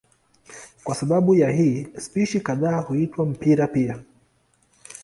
Kwa sababu ya hii spishi kadhaa huitwa mpira pia.